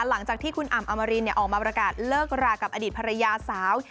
หลังจากที่คุณอ่ำอมรินออกมาประกาศเลิกรากับอดีตภรรยาสาว